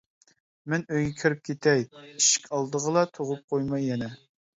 مەن ئۆيگە كىرىپ كېتەي، ئىشىك ئالدىغىلا تۇغۇپ قۇيماي يەنە!